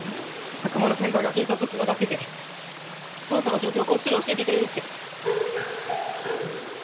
仲間の先輩が警察とつながってて捜査の状況こっそり教えてくれるってえっ？